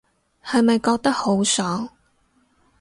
係咪覺得好爽